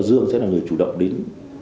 dương sẽ là người chủ động đến